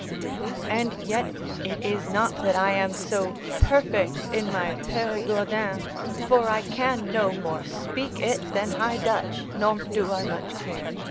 And yet it is not that I am so perfect in my Perigordin: for I can no more speak it than High Dutch, nor do I much care.